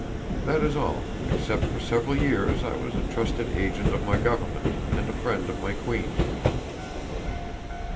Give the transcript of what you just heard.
That is all, except for several years I was a trusted agent of my government, and a friend of my queen."